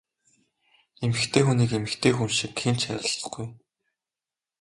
Эмэгтэй хүнийг эмэгтэй хүн шиг хэн ч хайрлахгүй!